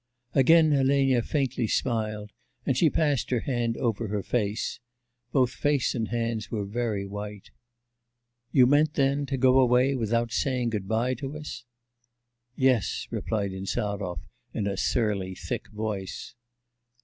Again Elena faintly smiled, and she passed her hand over her face. Both face and hands were very white. 'You meant, then, to go away without saying good bye to us?' 'Yes,' replied Insarov in a surly, thick voice.